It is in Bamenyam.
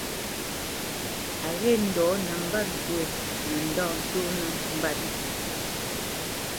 A ghê ndɔ̌ nəmbat ŋkwó mə ndâ tsónə́ mbá ntí.